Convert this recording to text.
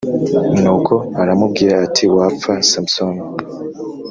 nuko aramubwira ati wapfa samusoni